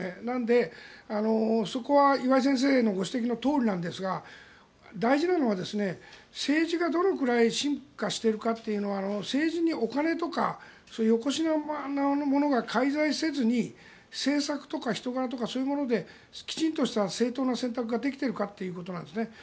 なので、そこは岩井先生のご指摘のとおりなんですが大事なのは政治がどのくらい進化しているかというのは政治にお金とかよこしまなものが介在せずに政策とか人柄とかそういうものできちんとした政党の選択ができているかってことなんです。